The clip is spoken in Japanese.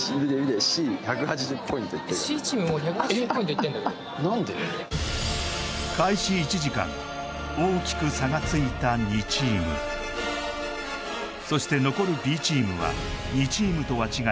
もう１８０ポイントいってんだけど開始１時間大きく差がついた２チームそして残るＢチームは２チームとは違い